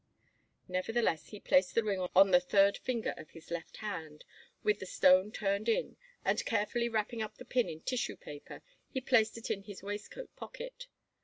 Nevertheless, he placed the ring on the third finger of his left hand, with the stone turned in, and carefully wrapping up the pin in tissue paper he placed it in his waistcoat pocket.